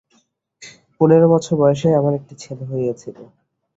পনেরো বছর বয়সে আমার একটি ছেলে হইয়াছিল।